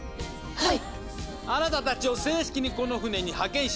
はい！